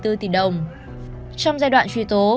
trong giai đoạn truy tố